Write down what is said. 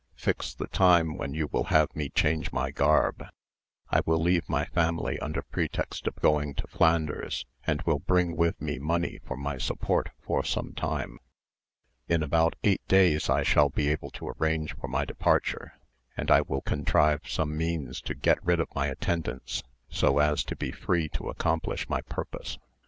Fix the time when you will have me change my garb. I will leave my family under pretext of going to Flanders, and will bring with me money for my support for some time. In about eight days I shall be able to arrange for my departure, and I will contrive some means to get rid of my attendants, so as to be free to accomplish my purpose.